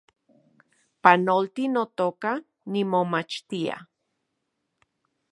Panolti, notoka, nimomachtia